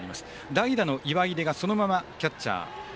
代打の岩出がそのままキャッチャー。